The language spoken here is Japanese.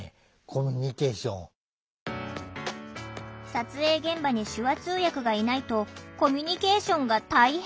撮影現場に手話通訳がいないとコミュニケーションが大変。